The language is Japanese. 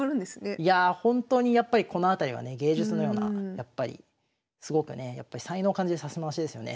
いやあ本当にやっぱりこの辺りはね芸術のようなやっぱりすごくね才能を感じる指し回しですよね